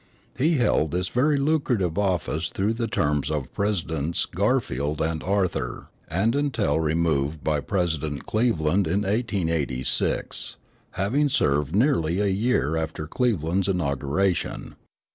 He held this very lucrative office through the terms of Presidents Garfìeld and Arthur and until removed by President Cleveland in 1886, having served nearly a year after Cleveland's inauguration.